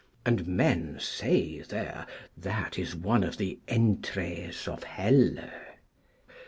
And men say there that is one of the entrees of Helle.